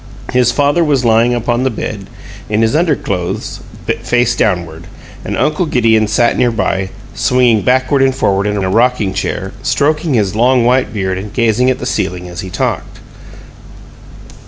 His father was lying upon the bed, in his underclothes, face downward, and Uncle Gideon sat near by, swinging backward and forward in a rocking chair, stroking his long white beard and gazing at the ceiling as he talked.